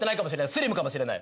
スリムかもしれない。